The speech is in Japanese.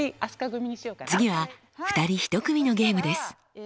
次は２人一組のゲームです。